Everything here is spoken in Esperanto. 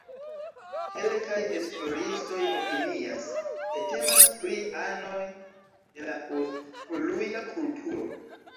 Kelkaj esploristoj opinias, ke temas pri anoj de la Ust-Poluja kulturo.